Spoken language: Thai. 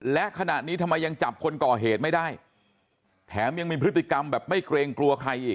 และขณะนี้ทำไมยังจับคนก่อเหตุไม่ได้แถมยังมีพฤติกรรมแบบไม่เกรงกลัวใครอีก